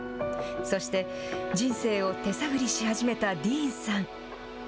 そして人生を手探りし始めたディーンさん。